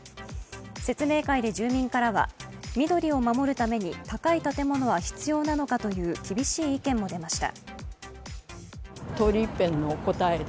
説明会で住民からは、緑を守るために高い建物は必要なのかという厳しい意見も出ました。